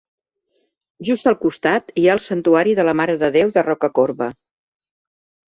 Just al costat hi ha el Santuari de la Mare de Déu de Rocacorba.